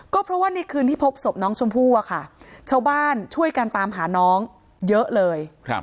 ก็เพราะว่าในคืนที่พบศพน้องชมพู่อะค่ะชาวบ้านช่วยกันตามหาน้องเยอะเลย